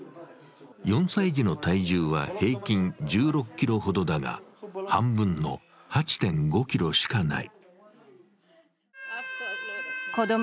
４歳児の体重は平均１６ｋｇほどだが半分の８．５ｋｇしかない。